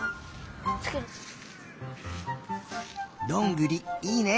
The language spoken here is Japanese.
どんぐりいいね。